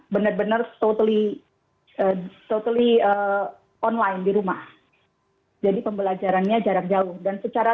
bener bener totally online di rumah jadi pembelajarannya jarak jauh dan secara